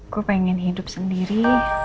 gue pengen hidup sendiri